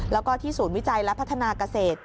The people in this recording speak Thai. แล้วก็ที่ศูนย์วิจัยและพัฒนาเกษตร